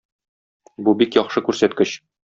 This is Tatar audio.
Бу бик яхшы күрсәткеч.